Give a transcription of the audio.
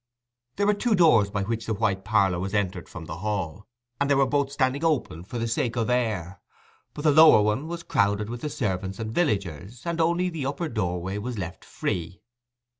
There were two doors by which the White Parlour was entered from the hall, and they were both standing open for the sake of air; but the lower one was crowded with the servants and villagers, and only the upper doorway was left free.